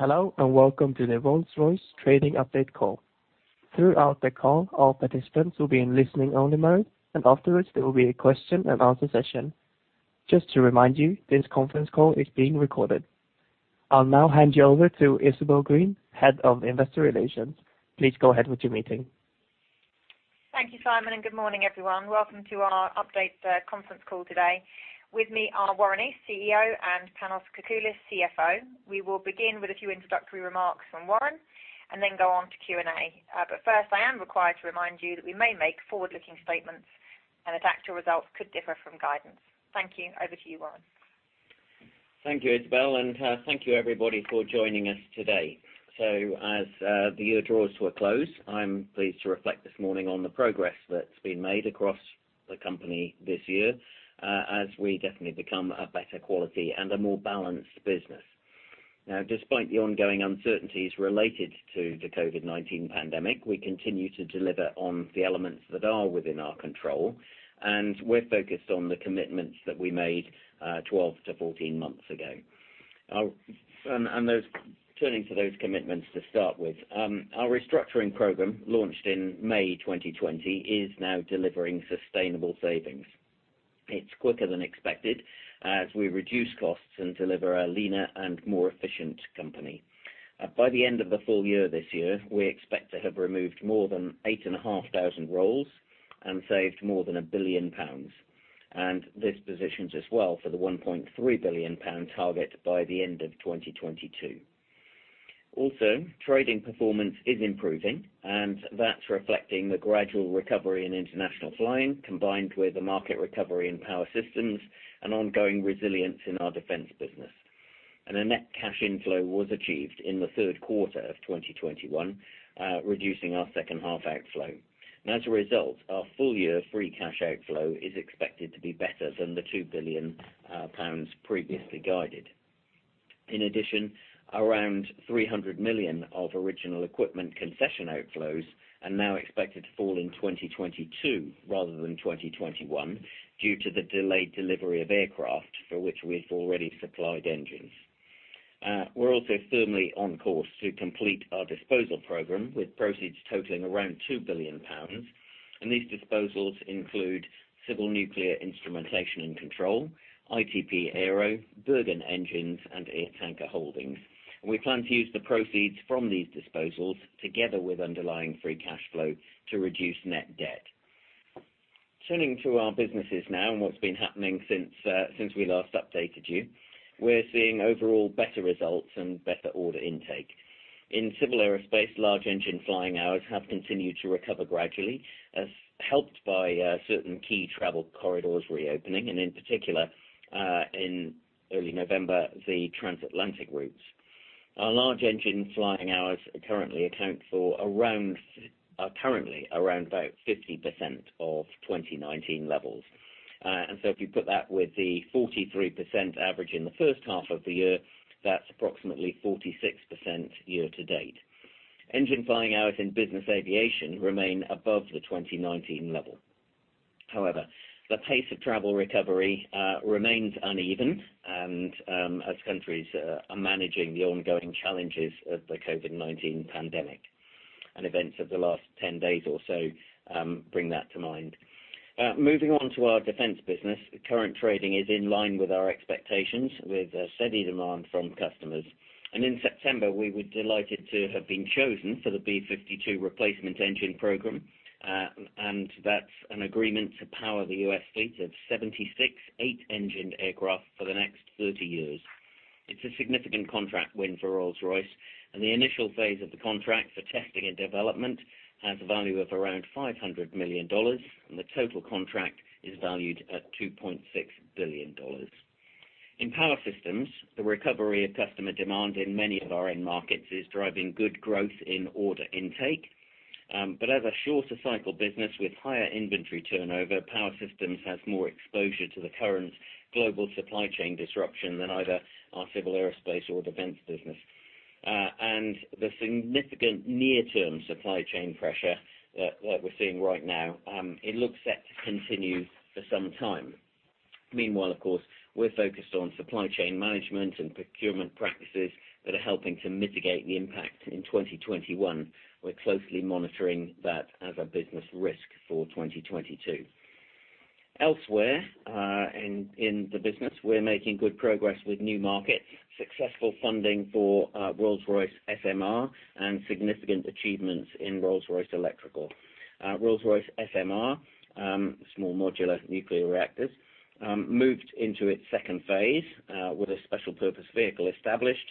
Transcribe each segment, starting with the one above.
Hello, and welcome to the Rolls-Royce trading update call. Throughout the call, all participants will be in listening-only mode, and afterwards, there will be a question-and-answer session. Just to remind you, this conference call is being recorded. I'll now hand you over to Isabel Green, Head of Investor Relations. Please go ahead with your meeting. Thank you, Simon, and good morning, everyone. Welcome to our update conference call today. With me are Warren East, CEO, and Panos Kakoullis, CFO. We will begin with a few introductory remarks from Warren and then go on to Q&A. But first, I am required to remind you that we may make forward-looking statements and that actual results could differ from guidance. Thank you. Over to you, Warren. Thank you, Isabel, and thank you everybody for joining us today. As the year draws to a close, I'm pleased to reflect this morning on the progress that's been made across the company this year, as we definitely become a better quality and a more balanced business. Now, despite the ongoing uncertainties related to the COVID-19 pandemic, we continue to deliver on the elements that are within our control, and we're focused on the commitments that we made 12-14 months ago. Turning to those commitments to start with, our restructuring program, launched in May 2020, is now delivering sustainable savings. It's quicker than expected as we reduce costs and deliver a leaner and more efficient company. By the end of the full year this year, we expect to have removed more than 8,500 roles and saved more than 1 billion pounds, and this positions us well for the 1.3 billion pound target by the end of 2022. Also, trading performance is improving, and that's reflecting the gradual recovery in international flying, combined with a market recovery in Power Systems and ongoing resilience in our Defense business. A net cash inflow was achieved in the third quarter of 2021, reducing our second half outflow. As a result, our full year free cash outflow is expected to be better than the 2 billion pounds previously guided. In addition, around 300 million of original equipment concession outflows are now expected to fall in 2022 rather than 2021 due to the delayed delivery of aircraft for which we've already supplied engines. We're also firmly on course to complete our disposal program, with proceeds totaling around 2 billion pounds, and these disposals include civil nuclear instrumentation and control, ITP Aero, Bergen Engines, and AirTanker Holdings. We plan to use the proceeds from these disposals, together with underlying free cash flow, to reduce net debt. Turning to our businesses now and what's been happening since we last updated you. We're seeing overall better results and better order intake. In Civil Aerospace, large engine flying hours have continued to recover gradually, as helped by certain key travel corridors reopening, and in particular, in early November, the transatlantic routes. Our large engine flying hours are currently around about 50% of 2019 levels. If you put that with the 43% average in the first half of the year, that's approximately 46% year-to-date. Engine flying hours in business aviation remain above the 2019 level. However, the pace of travel recovery remains uneven and, as countries are managing the ongoing challenges of the COVID-19 pandemic, and events of the last 10 days or so bring that to mind. Moving on to our defense business, current trading is in line with our expectations with steady demand from customers. In September, we were delighted to have been chosen for the B-52 replacement engine program, and that's an agreement to power the U.S. fleet of 76 eight-engined aircraft for the next 30 years. It's a significant contract win for Rolls-Royce, and the initial phase of the contract for testing and development has a value of around $500 million, and the total contract is valued at $2.6 billion. In Power Systems, the recovery of customer demand in many of our end markets is driving good growth in order intake. But as a shorter cycle business with higher inventory turnover, Power Systems has more exposure to the current global supply chain disruption than either our Civil Aerospace or Defence business. The significant near-term supply chain pressure that we're seeing right now looks set to continue for some time. Meanwhile, of course, we're focused on supply chain management and procurement practices that are helping to mitigate the impact in 2021. We're closely monitoring that as a business risk for 2022. Elsewhere, in the business, we're making good progress with new markets, successful funding for Rolls-Royce SMR and significant achievements in Rolls-Royce Electrical. Rolls-Royce SMR, small modular nuclear reactors, moved into its second phase with a special purpose vehicle established,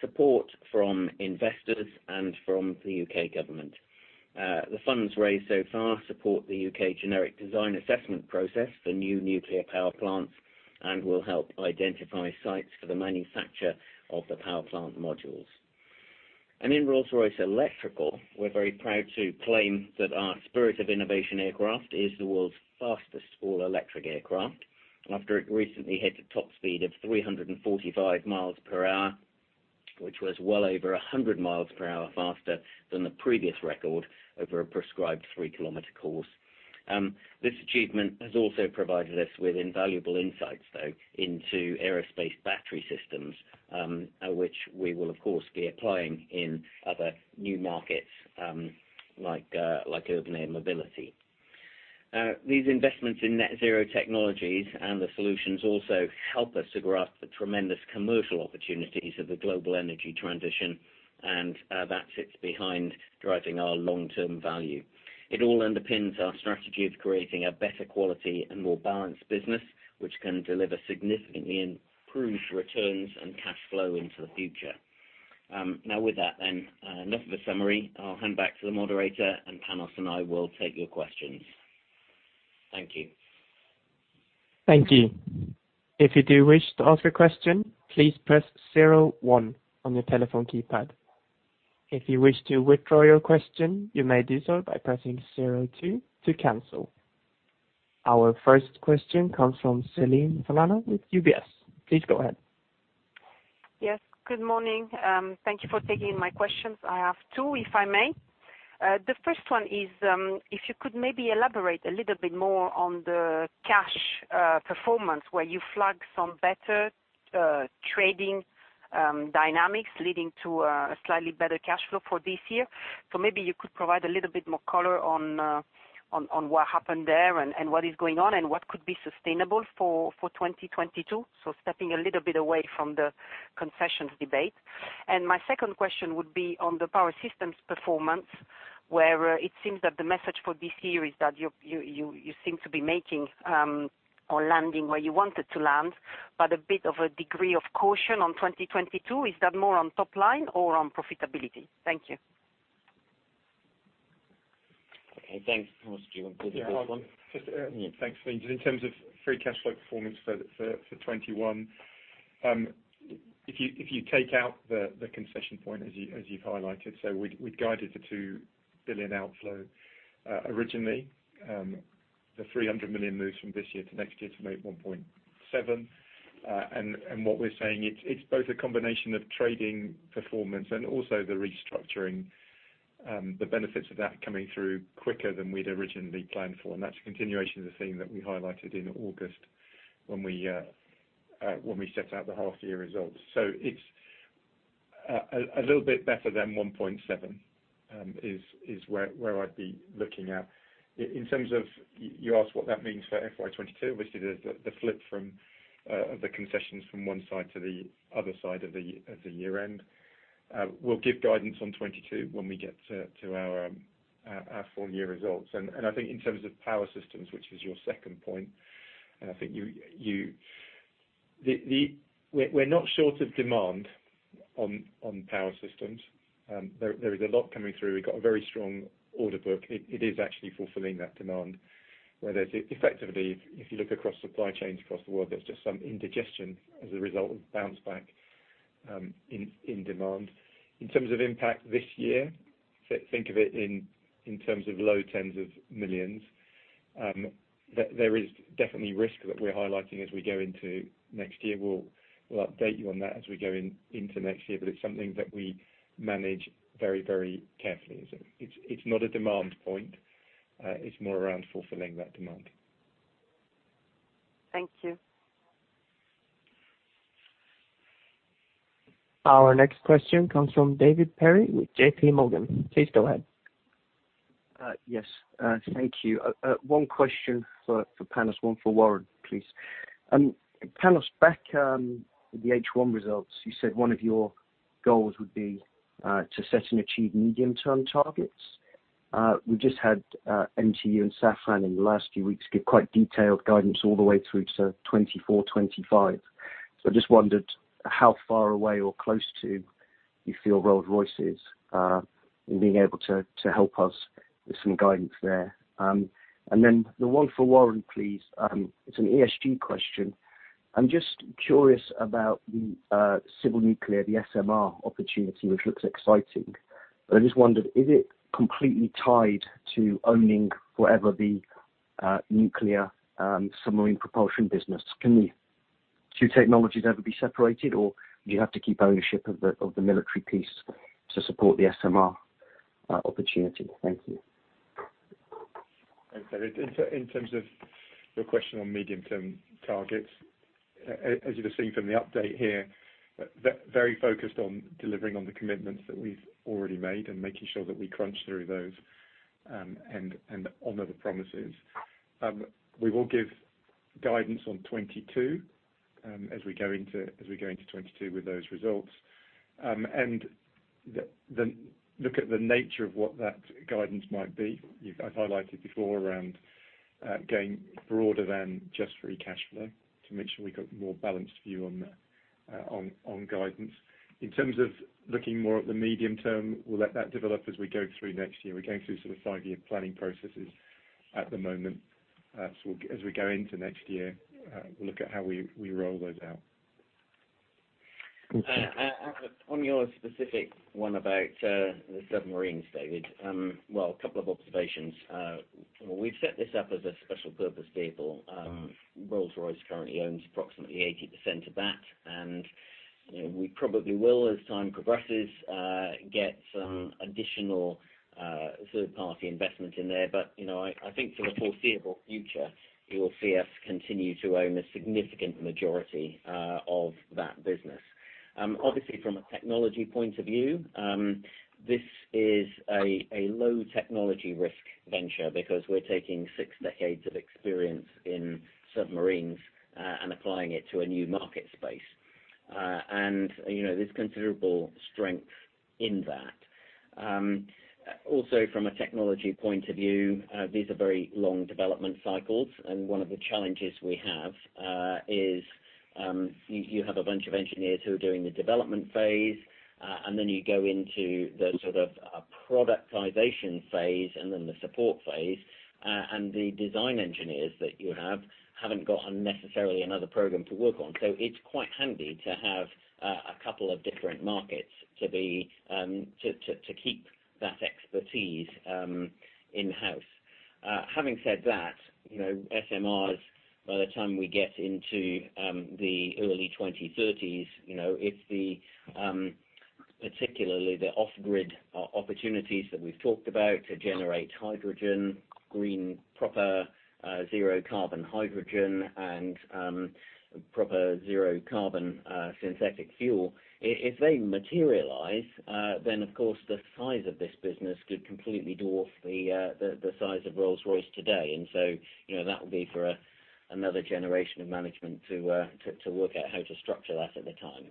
support from investors and from the U.K. government. The funds raised so far support the U.K. Generic Design Assessment process for new nuclear power plants and will help identify sites for the manufacture of the power plant modules. In Rolls-Royce Electrical, we're very proud to claim that our Spirit of Innovation aircraft is the world's fastest all-electric aircraft after it recently hit a top speed of 345 miles per hour, which was well over 100 miles per hour faster than the previous record over a prescribed 3 km course. This achievement has also provided us with invaluable insights, though, into aerospace battery systems, which we will of course be applying in other new markets, like urban air mobility. These investments in net zero technologies and the solutions also help us to grasp the tremendous commercial opportunities of the global energy transition, and that sits behind driving our long-term value. It all underpins our strategy of creating a better quality and more balanced business, which can deliver significantly improved returns and cash flow into the future. Now, with that, then enough of a summary. I'll hand back to the moderator, and Panos and I will take your questions. Thank you. Thank you. If you do wish to ask a question, please press zero-one on your telephone keypad. If you wish to withdraw your question, you may do so by pressing zero-two to cancel. Our first question comes from Céline Fornaro with UBS. Please go ahead. Yes. Good morning. Thank you for taking my questions. I have two, if I may. The first one is, if you could maybe elaborate a little bit more on the cash performance where you flagged some better trading dynamics leading to a slightly better cash flow for this year. So maybe you could provide a little bit more color on what happened there and what is going on and what could be sustainable for 2022, so stepping a little bit away from the concessions debate. My second question would be on the Power Systems performance, where it seems that the message for this year is that you seem to be making or landing where you wanted to land, but a bit of a degree of caution on 2022. Is that more on top line or on profitability? Thank you. Okay, thanks. Panos to you. Hi, Céline. Just thanks, Céline. Just in terms of free cash flow performance for 2021, if you take out the concession point as you've highlighted, we'd guided 2 billion outflow originally. The 300 million moves from this year to next year to make 1.7 billion. What we're saying, it's both a combination of trading performance and the restructuring benefits of that coming through quicker than we'd originally planned for. That's a continuation of the theme that we highlighted in August when we set out the half-year results. It's a little bit better than 1.7 billion is where I'd be looking at. In terms of you asked what that means for FY 2022, which is the flip from of the concessions from one side to the other side of the year end. We'll give guidance on 2022 when we get to our full year results. I think in terms of Power Systems, which was your second point. We're not short of demand on Power Systems. There is a lot coming through. We've got a very strong order book. It is actually fulfilling that demand, where there's effectively, if you look across supply chains across the world, there's just some indigestion as a result of bounce back in demand. In terms of impact this year, think of it in terms of low tens of millions. There is definitely risk that we're highlighting as we go into next year. We'll update you on that as we go into next year, but it's something that we manage very carefully. It's not a demand point, it's more around fulfilling that demand. Thank you. Our next question comes from David Perry with JPMorgan. Please go ahead. Yes. Thank you. One question for Panos, one for Warren, please. Panos, back with the H1 results, you said one of your goals would be to set and achieve medium-term targets. We just had MTU and Safran in the last few weeks give quite detailed guidance all the way through to 2024, 2025. I just wondered how far away or close to you feel Rolls-Royce is in being able to help us with some guidance there. Then the one for Warren, please. It's an ESG question. I'm just curious about the civil nuclear, the SMR opportunity, which looks exciting. I just wondered, is it completely tied to owning whatever the nuclear submarine propulsion business? Can the two technologies ever be separated, or do you have to keep ownership of the military piece to support the SMR opportunity? Thank you. Thanks, David. In terms of your question on medium-term targets, as you just seen from the update here, very focused on delivering on the commitments that we've already made and making sure that we crunch through those and honor the promises. We will give guidance on 2022 as we go into 2022 with those results. The look at the nature of what that guidance might be, I've highlighted before around going broader than just free cash flow to make sure we've got more balanced view on guidance. In terms of looking more at the medium-term, we'll let that develop as we go through next year. We're going through sort of five-year planning processes at the moment as we go into next year, we'll look at how we roll those out. On your specific one about the submarines, David, well, a couple of observations. We've set this up as a special purpose vehicle. Rolls-Royce currently owns approximately 80% of that and you know, we probably will, as time progresses, get some additional third-party investment in there. You know, I think for the foreseeable future, you will see us continue to own a significant majority of that business. Obviously from a technology point of view, this is a low technology risk venture because we're taking six decades of experience in submarines and applying it to a new market space. You know, there's considerable strength in that. Also from a technology point of view, these are very long development cycles, and one of the challenges we have is you have a bunch of engineers who are doing the development phase, and then you go into the sort of productization phase and then the support phase. And the design engineers that you have haven't got necessarily another program to work on. So it's quite handy to have a couple of different markets to keep that expertise in-house. Having said that, you know, SMRs, by the time we get into the early 2030s, you know, if the particularly the off-grid opportunities that we've talked about to generate hydrogen, green, proper zero carbon hydrogen, and proper zero carbon synthetic fuel. If they materialize, then of course, the size of this business could completely dwarf the size of Rolls-Royce today. You know, that will be for another generation of management to work out how to structure that at the time.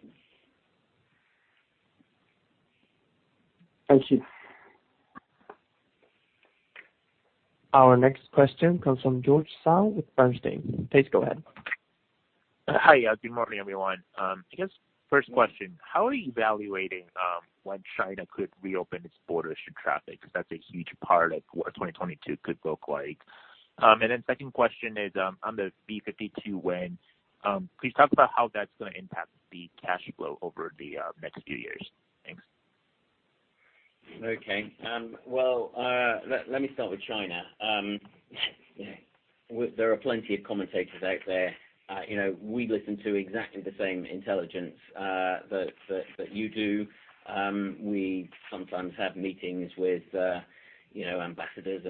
Thank you. Our next question comes from George Zhao with Bernstein. Please go ahead. Hi. Yeah, good morning, everyone. I guess first question, how are you evaluating when China could reopen its borders to traffic? Because that's a huge part of what 2022 could look like. Second question is, on the B-52 win, please talk about how that's going to impact the cash flow over the next few years. Thanks. Okay. Well, let me start with China. There are plenty of commentators out there. You know, we listen to exactly the same intelligence that you do. We sometimes have meetings with, you know, ambassadors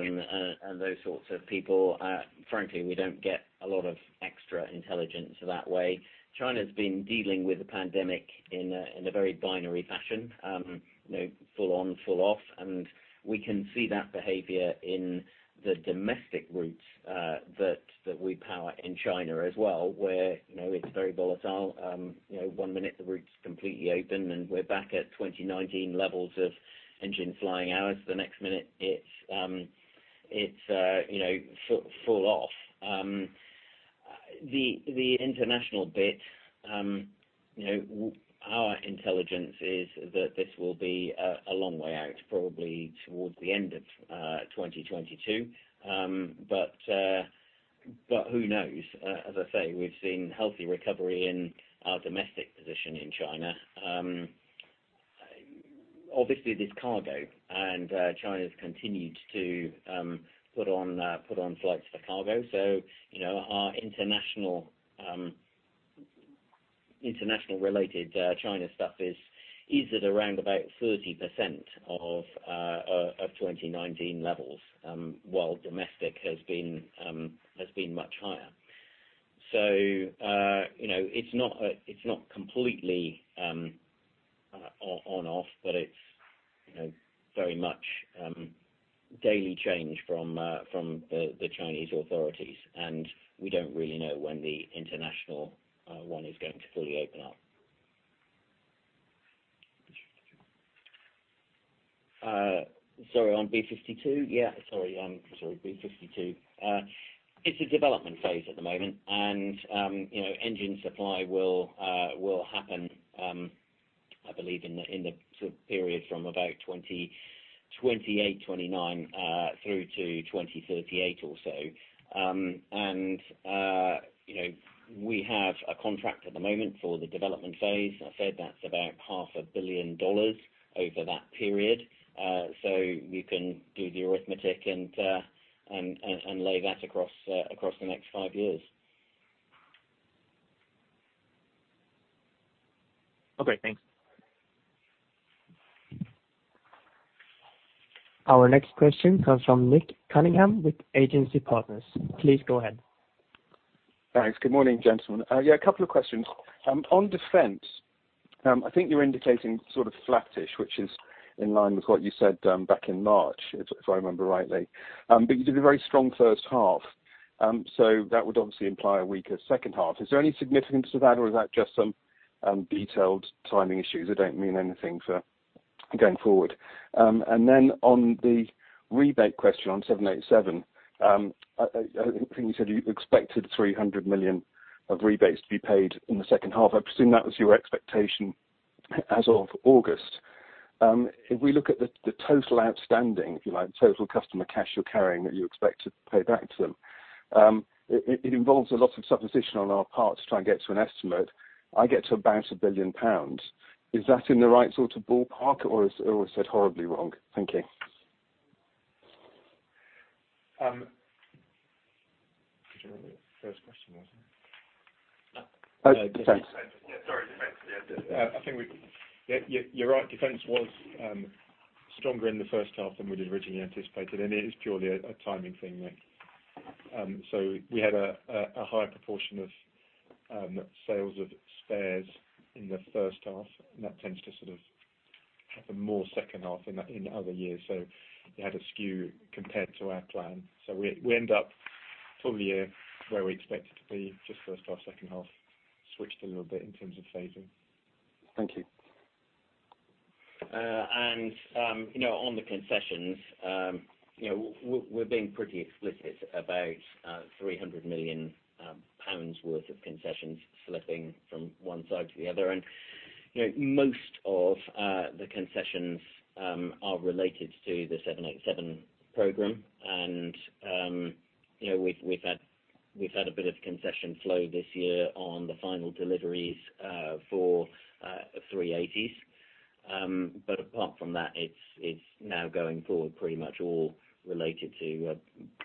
and those sorts of people. Frankly, we don't get a lot of extra intelligence that way. China's been dealing with the pandemic in a very binary fashion, you know, full on, full off, and we can see that behavior in the domestic routes that we power in China as well, where, you know, it's very volatile. You know, one minute the route's completely open, and we're back at 2019 levels of engine flying hours. The next minute it's, you know, full off. The international bit, you know, our intelligence is that this will be a long way out, probably towards the end of 2022. Who knows? As I say, we've seen healthy recovery in our domestic position in China. Obviously there's cargo and China's continued to put on flights for cargo. You know, our international related China stuff is at around 30% of 2019 levels, while domestic has been much higher. You know, it's not completely on-off, but it's you know very much daily change from the Chinese authorities. We don't really know when the international one is going to fully open up. Sorry, on B-52? Sorry. B-52. It's a development phase at the moment, and you know, engine supply will happen, I believe in the sort of period from about 2028, 2029 through to 2038 or so. You know, we have a contract at the moment for the development phase. I said that's about $500 million over that period. You can do the arithmetic and lay that across the next five years. Okay, thanks. Our next question comes from Nick Cunningham with Agency Partners. Please go ahead. Thanks. Good morning, gentlemen. Yeah, a couple of questions. On Defence, I think you're indicating sort of flattish, which is in line with what you said back in March, if I remember rightly. You did a very strong first half. That would obviously imply a weaker second half. Is there any significance to that or is that just some detailed timing issues that don't mean anything for going forward? Then on the rebate question on 787, I think you said you expected 300 million of rebates to be paid in the second half. I presume that was your expectation as of August. If we look at the total outstanding, if you like, total customer cash you're carrying that you expect to pay back to them, it involves a lot of supposition on our part to try and get to an estimate. I get to about 1 billion pounds. Is that in the right sort of ballpark or is that horribly wrong? Thank you. Do you remember what the first question was? Defense. Yeah, sorry. Defence. Yeah. I think you're right. Defence was stronger in the first half than we'd originally anticipated, and it is purely a timing thing, Nick. We had a higher proportion of sales of spares in the first half, and that tends to sort of happen more second half in other years. We had a skew compared to our plan. We end up full year where we expected to be, just first half, second half, switched a little bit in terms of phasing. Thank you. You know, on the concessions, you know, we're being pretty explicit about 300 million pounds worth of concessions slipping from one side to the other. You know, most of the concessions are related to the 787 program. You know, we've had a bit of concession flow this year on the final deliveries for A380s. But apart from that, it's now going forward pretty much all related to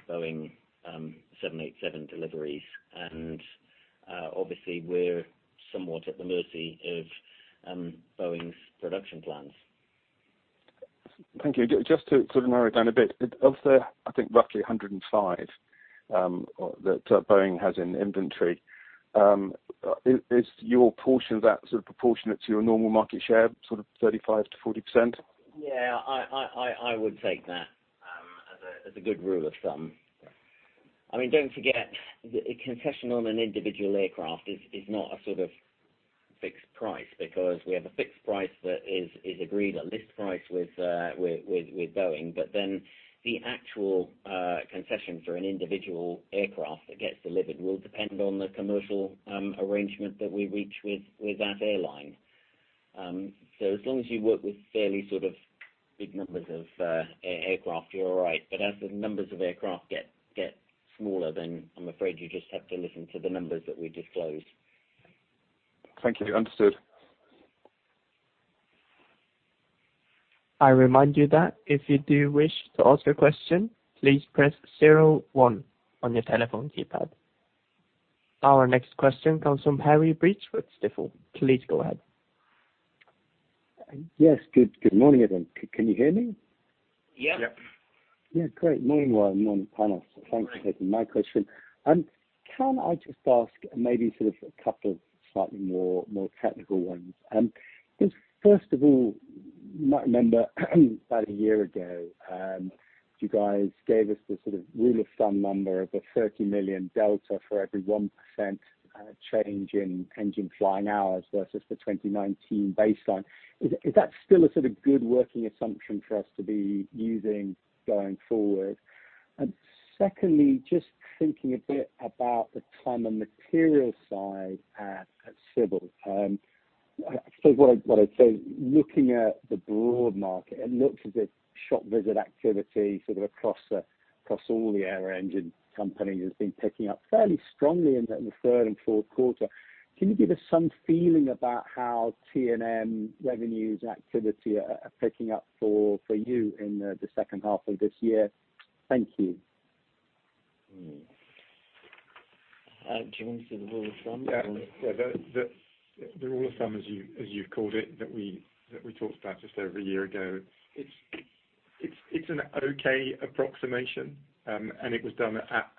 Boeing 787 deliveries. Obviously, we're somewhat at the mercy of Boeing's production plans. Thank you. Just to sort of narrow it down a bit, of the, I think, roughly 105 that Boeing has in inventory, is your portion of that sort of proportionate to your normal market share, sort of 35%-40%? Yeah. I would take that as a good rule of thumb. I mean, don't forget that a concession on an individual aircraft is not a sort of fixed price because we have a fixed price that is agreed at list price with Boeing. The actual concession for an individual aircraft that gets delivered will depend on the commercial arrangement that we reach with that airline. As long as you work with fairly sort of big numbers of aircraft, you're all right. As the numbers of aircraft get smaller, then I'm afraid you just have to listen to the numbers that we disclose. Thank you. Understood. I remind you that if you do wish to ask a question, please press zero-one on your telephone keypad. Our next question comes from Harry Breach with Stifel. Please go ahead. Yes. Good morning, everyone. Can you hear me? Yeah. Yeah, great. Morning, Warren. Morning, Panos. Thanks for taking my question. Can I just ask maybe sort of a couple of slightly more technical ones? Just first of all, you might remember about a year ago, you guys gave us the sort of rule of thumb number of a 30 million delta for every 1% change in engine flying hours versus the 2019 baseline. Is that still a sort of good working assumption for us to be using going forward? And secondly, just thinking a bit about the time and material side at Civil, I suppose what I'd say, looking at the broad market, it looks as if shop visit activity sort of across all the aero-engine companies has been picking up fairly strongly in the third and fourth quarter. Can you give us some feeling about how T&M revenues activity are picking up for you in the second half of this year? Thank you. Do you want to do the rule of thumb? Yeah. The rule of thumb as you've called it, that we talked about just over a year ago, it's an okay approximation, and it was done at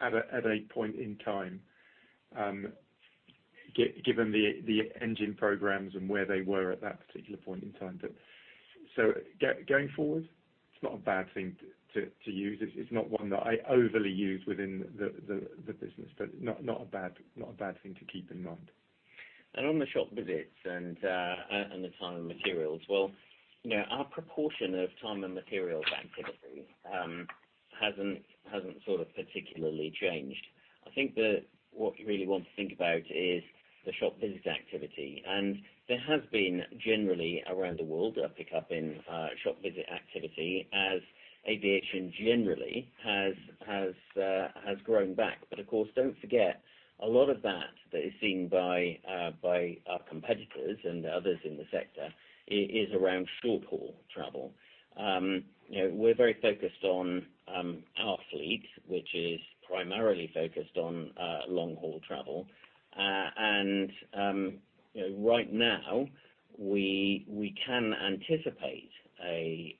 a point in time, given the engine programs and where they were at that particular point in time. Going forward, it's not a bad thing to use. It's not one that I overly use within the business, but not a bad thing to keep in mind. On the shop visits and the time and materials, well, you know, our proportion of time and materials activity hasn't sort of particularly changed. I think what you really want to think about is the shop visit activity. There has been generally around the world a pickup in shop visit activity as aviation generally has grown back. Of course, don't forget, a lot of that is seen by our competitors and others in the sector is around short-haul travel. You know, we're very focused on our fleet, which is primarily focused on long-haul travel. You know, right now we can anticipate a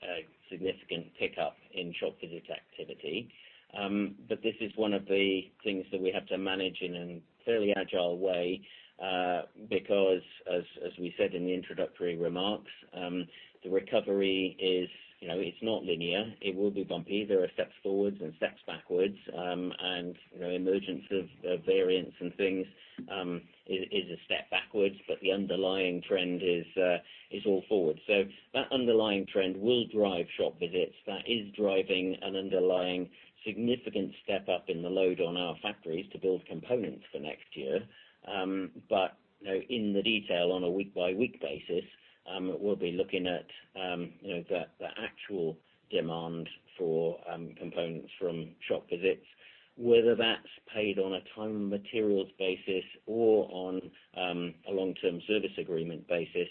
significant pickup in shop visit activity. This is one of the things that we have to manage in a fairly agile way, because as we said in the introductory remarks, the recovery is, you know, it's not linear, it will be bumpy. There are steps forward and steps backward, and, you know, emergence of variants and things is a step backward, but the underlying trend is all forward. So that underlying trend will drive shop visits. That is driving an underlying significant step up in the load on our factories to build components for next year. You know, in the detail on a week-by-week basis, we'll be looking at, you know, the actual demand for components from shop visits, whether that's paid on a time and materials basis or on a Long-Term Service Agreement basis,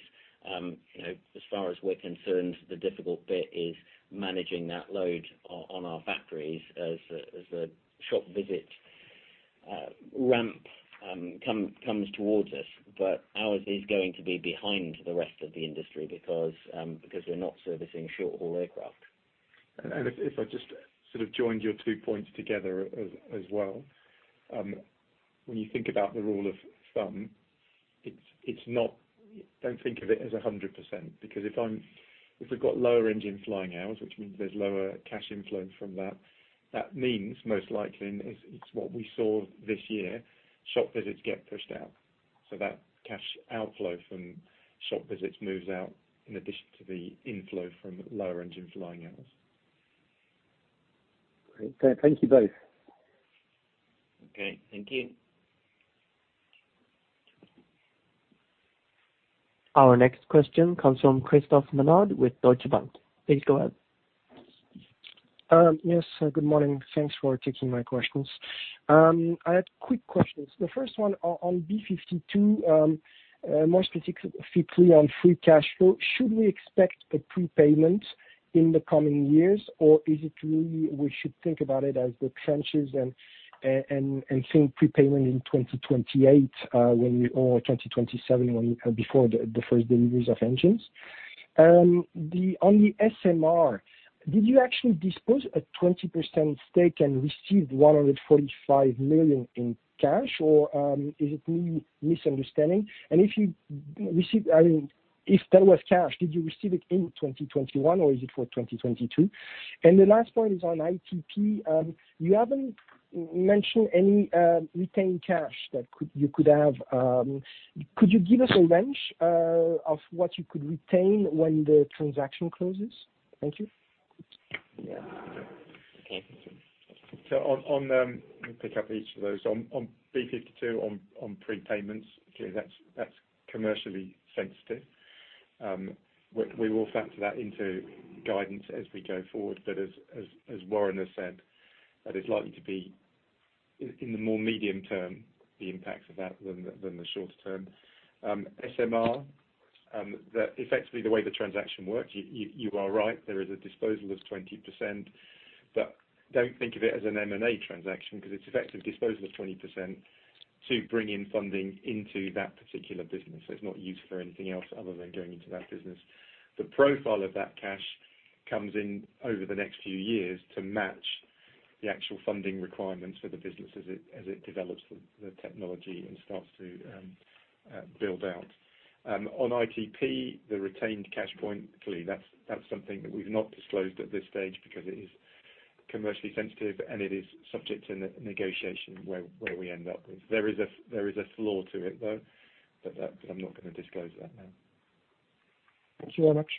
you know, as far as we're concerned, the difficult bit is managing that load on our factories as the shop visit ramp comes towards us. Ours is going to be behind the rest of the industry because we're not servicing short-haul aircraft. If I just sort of joined your two points together as well, when you think about the rule of thumb, it's not. Don't think of it as 100% because if we've got lower engine flying hours, which means there's lower cash inflow from that means most likely, and it's what we saw this year, shop visits get pushed out. That cash outflow from shop visits moves out in addition to the inflow from lower engine flying hours. Great. Thank you both. Okay, thank you. Our next question comes from Christophe Menard with Deutsche Bank. Please go ahead. Yes, good morning. Thanks for taking my questions. I have quick questions. The first one on B-52, more specifically on free cash flow. Should we expect a prepayment in the coming years, or is it really we should think about it as the tranches and think prepayment in 2028 or 2027 before the first deliveries of engines? On the SMR, did you actually dispose of a 20% stake and receive 145 million in cash, or is it me misunderstanding? If that was cash, did you receive it in 2021, or is it for 2022? The last point is on ITP. You haven't mentioned any retained cash that could you could have. Could you give us a range of what you could retain when the transaction closes? Thank you. Yeah. Let me pick up each of those. On B-52, on prepayments, clearly that's commercially sensitive. We will factor that into guidance as we go forward. As Warren has said, that is likely to be in the more medium-term, the impacts of that, than the short term. SMR, effectively the way the transaction works, you are right, there is a disposal of 20%. Don't think of it as an M&A transaction because it's effectively disposal of 20% to bring in funding into that particular business. It's not used for anything else other than going into that business. The profile of that cash comes in over the next few years to match the actual funding requirements for the business as it develops the technology and starts to build out. On ITP, the retained cash point, clearly that's something that we've not disclosed at this stage because it is commercially sensitive, and it is subject to negotiation where we end up. There is a floor to it, though, but I'm not going to disclose that now. Thank you very much.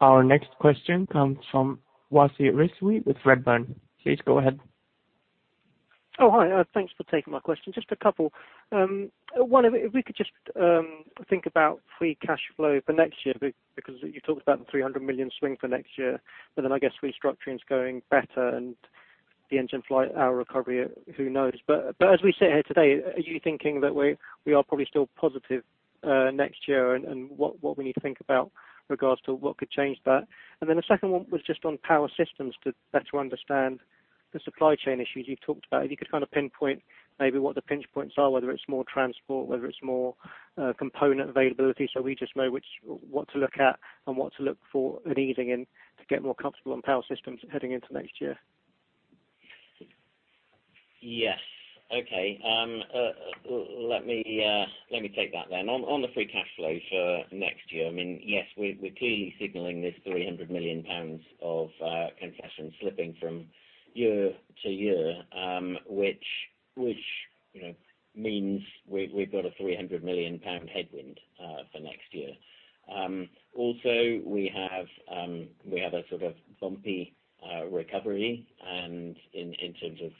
Our next question comes from Wasi Rizvi with Redburn. Please go ahead. Hi. Thanks for taking my question. Just a couple. One of them, if we could just think about free cash flow for next year because you talked about the 300 million swing for next year, but then I guess restructuring's going better and the engine flying hour recovery, who knows? As we sit here today, are you thinking that we are probably still positive next year and what we need to think about regards to what could change that? The second one was just on Power Systems to better understand the supply chain issues you've talked about. If you could kind of pinpoint maybe what the pinch points are, whether it's more transport, whether it's more, component availability, so we just know which, what to look at and what to look for an easing in to get more comfortable on Power Systems heading into next year. Yes. Okay. Let me take that then. On the free cash flow for next year, I mean, yes, we're clearly signaling this 300 million pounds of concessions slipping from year to year, which, you know, means we've got a 300 million pound headwind for next year. Also we have a sort of bumpy recovery and in terms of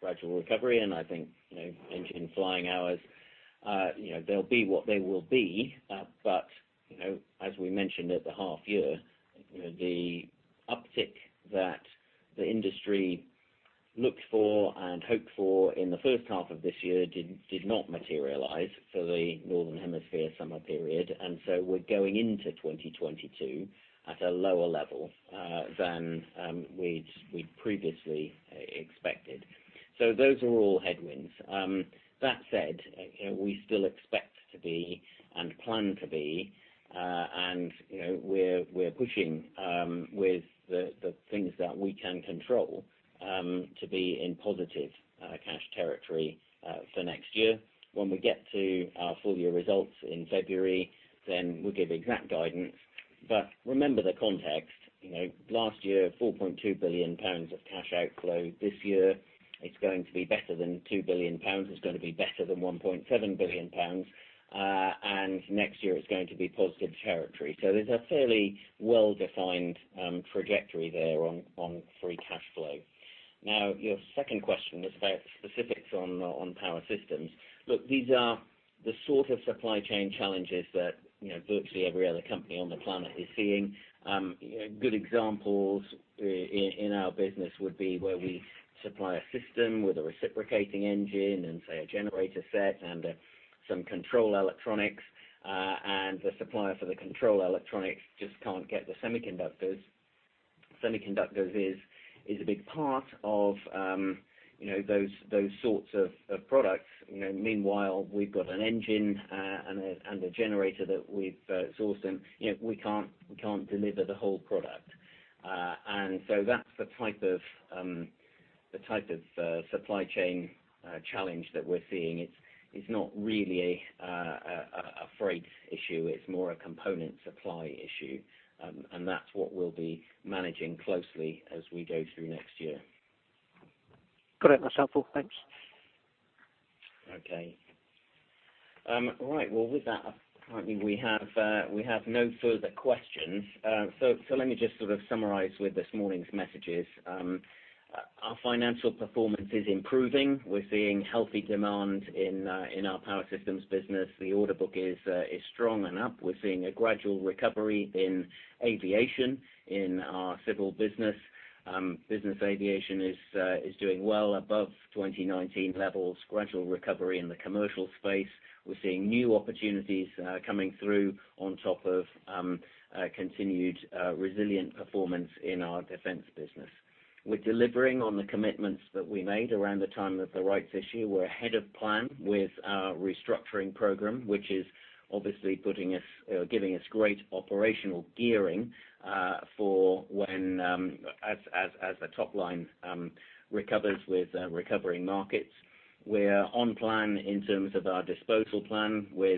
gradual recovery, and I think, you know, engine flying hours, you know, they'll be what they will be. You know, as we mentioned at the half year, you know, the uptick that the industry looked for and hoped for in the first half of this year did not materialize for the Northern Hemisphere summer period. We're going into 2022 at a lower level than we'd previously expected. Those are all headwinds. That said, you know, we still expect to be and plan to be, and, you know, we're pushing with the things that we can control to be in positive cash territory for next year. When we get to our full year results in February, we'll give exact guidance. Remember the context. You know, last year, 4.2 billion pounds of cash outflow. This year it's going to be better than 2 billion pounds. It's going to be better than 1.7 billion pounds. Next year it's going to be positive territory. There's a fairly well-defined trajectory there on free cash flow. Now, your second question was about specifics on Power Systems. Look, these are the sort of supply chain challenges that, you know, virtually every other company on the planet is seeing. Good examples in our business would be where we supply a system with a reciprocating engine and, say, a generator set and some control electronics, and the supplier for the control electronics just can't get the semiconductors. Semiconductors is a big part of, you know, those sorts of products. You know, meanwhile, we've got an engine and a generator that we've sourced, and, you know, we can't deliver the whole product. That's the type of supply chain challenge that we're seeing. It's not really a freight issue. It's more a component supply issue. That's what we'll be managing closely as we go through next year. Got it, that's helpful. Thanks. Okay. Right. Well, with that, apparently we have no further questions. So let me just sort of summarize with this morning's messages. Our financial performance is improving. We're seeing healthy demand in our Power Systems business. The order book is strong and up. We're seeing a gradual recovery in aviation, in our civil business. Business aviation is doing well above 2019 levels. Gradual recovery in the commercial space. We're seeing new opportunities coming through on top of continued resilient performance in our defense business. We're delivering on the commitments that we made around the time of the rights issue. We're ahead of plan with our restructuring program, which is obviously putting us, or giving us great operational gearing for when as the top line recovers with recovering markets. We're on plan in terms of our disposal plan with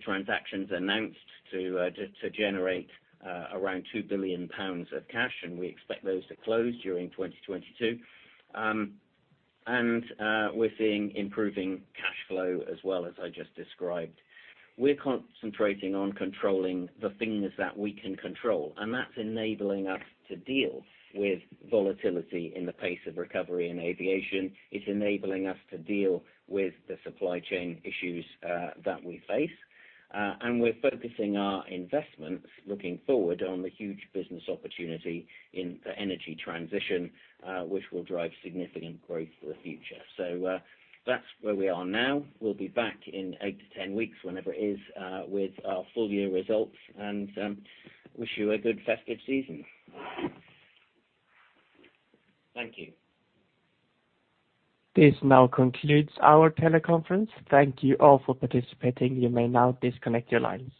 transactions announced to generate around 2 billion pounds of cash, and we expect those to close during 2022. We're seeing improving cash flow as well, as I just described. We're concentrating on controlling the things that we can control, and that's enabling us to deal with volatility in the pace of recovery in aviation. It's enabling us to deal with the supply chain issues that we face. We're focusing our investments looking forward on the huge business opportunity in the energy transition, which will drive significant growth for the future. That's where we are now. We'll be back in 8-10 weeks, whenever it is, with our full year results, and wish you a good festive season. Thank you. This now concludes our teleconference. Thank you all for participating. You may now disconnect your lines.